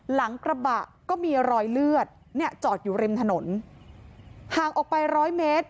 หลังกระบะก็มีรอยเลือดเนี่ยจอดอยู่ริมถนนห่างออกไปร้อยเมตร